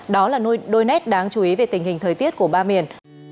đó là nuôi đôi nét đáng chú ý về tình hình thời tiết của ba miền